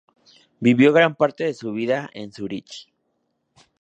Vivió gran parte de su vida en Zúrich.